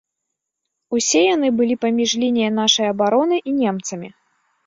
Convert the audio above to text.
Усе яны былі паміж лініяй нашай абароны і немцамі.